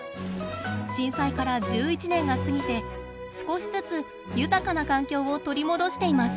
震災から１１年が過ぎて少しずつ豊かな環境を取り戻しています。